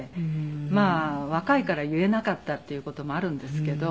まあ若いから言えなかったっていう事もあるんですけど。